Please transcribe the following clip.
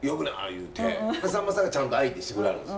言うてさんまさんがちゃんと相手してくれはるんです。